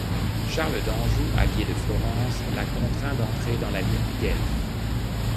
Charles d'Anjou, allié de Florence, la contraint d'entrer dans la ligue guelfe.